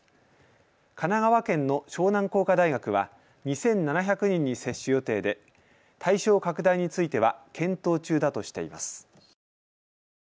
神奈川県の湘南工科大学は２７００人に接種予定で対象拡大については検討中だとしています。